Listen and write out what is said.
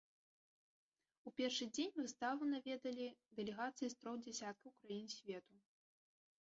У першы дзень выставу наведалі дэлегацыі з трох дзясяткаў краін свету.